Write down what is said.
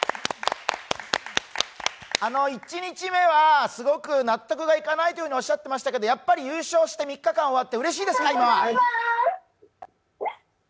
１日目はすごく納得がいかないとおっしゃっていましたけれど優勝して３日間終わってうれしいですか、今？